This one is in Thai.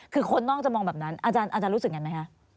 คือคนนอกจะมองแบบนั้นอาจารย์รู้สึกอย่างนั้นไหมคะ